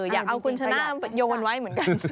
อยากเอาคุณชนะโยนไว้เหมือนกัน